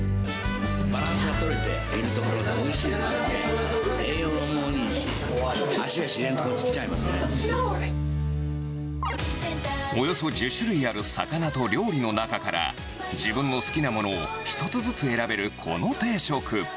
バランスが取れておいしいですよね、栄養もいいし、およそ１０種類ある魚と料理の中から、自分の好きなものを１つずつ選べる、この定食。